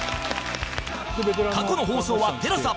過去の放送は ＴＥＬＡＳＡ